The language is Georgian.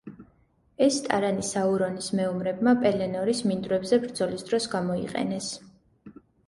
ეს ტარანი საურონის მეომრებმა პელენორის მინდვრებზე ბრძოლის დროს გამოიყენეს.